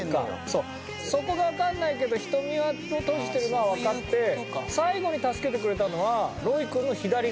そこがわかんないけど瞳を閉じてるのはわかって最後に助けてくれたのは。